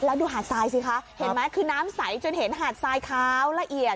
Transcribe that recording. แล้วดูหาดทรายสิคะเห็นไหมคือน้ำใสจนเห็นหาดทรายขาวละเอียด